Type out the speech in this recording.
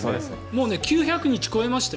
もう９００日を超えました。